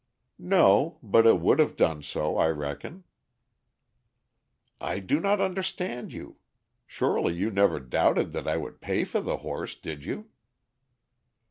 "No; but it would have done so, I reckon." "I do not understand you. Surely you never doubted that I would pay for the horse, did you?"